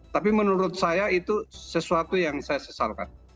tapi menurut saya itu sesuatu yang saya sesalkan